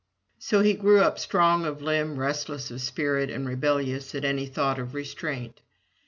So he grew up strong of limb, restless of spirit, and rebellious at any thought of restraint.